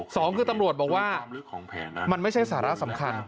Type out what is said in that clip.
สองคือตำรวจบอกว่ามันไม่ใช่สาระสำคัญ